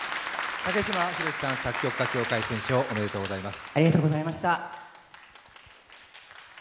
竹島宏さん、作曲家協会選奨おめでとうございます。